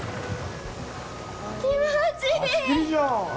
気持ちいい！